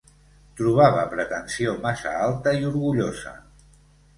Trobava pretensió massa alta i orgullosa